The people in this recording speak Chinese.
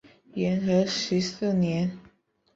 元和十四年。